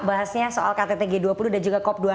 bahasnya soal kttg dua puluh dan juga kop dua puluh enam